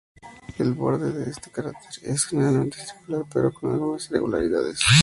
El borde de este cráter es generalmente circular, pero con algunas irregularidades.